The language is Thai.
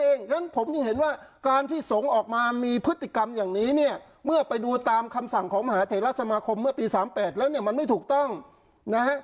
เพราะฉะนั้นผมยังเห็นว่าการที่สงฆ์ออกมามีพฤติกรรมอย่างนี้เนี่ยเมื่อไปดูตามคำสั่งของมหาเทราสมาคมเมื่อปี๓๘แล้วเนี่ยมันไม่ถูกต้องนะฮะ